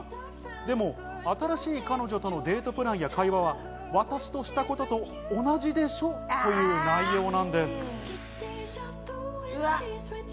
でも新しい彼女とのデートプランや会話は私としたことと同じでしょ？という内容なんです。